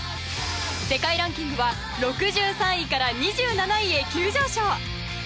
世界ランキングは６３位から２７位へ急上昇。